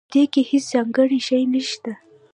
پدې کې هیڅ ځانګړی شی نشته